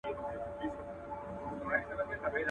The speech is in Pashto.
o که ما کوې، که لالا کوې، که ما کوې.